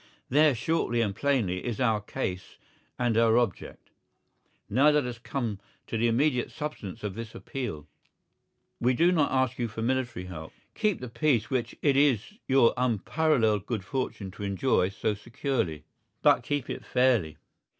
There, shortly and plainly, is our case and our object. Now let us come to the immediate substance of this appeal. We do not ask you for military help. Keep the peace which it is your unparalleled good fortune to enjoy so securely. But keep it fairly.